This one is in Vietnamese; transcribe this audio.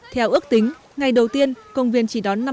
theo ước tính ngày đầu tiên công viên chỉ đón năm